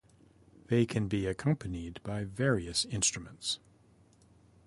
They can be accompanied by various instruments.